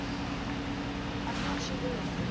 I thought she did.